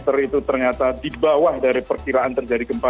itu ternyata di bawah dari perkiraan terjadi gempa